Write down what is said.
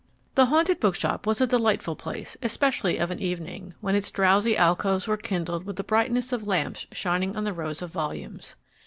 The Haunted Bookshop was a delightful place, especially of an evening, when its drowsy alcoves were kindled with the brightness of lamps shining on the rows of volumes.